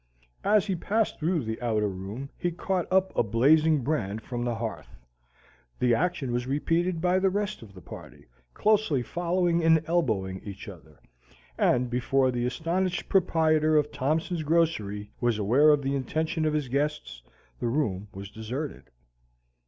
As he passed through the outer room he caught up a blazing brand from the hearth. The action was repeated by the rest of the party, closely following and elbowing each other, and before the astonished proprietor of Thompson's grocery was aware of the intention of his guests, the room was deserted.